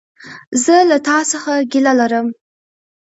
زه له تا څخه ګيله لرم!